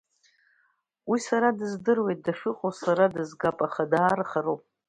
Уи сара дыздыруеит, дахьыҟоу сара дызгап, аха даара хароуп.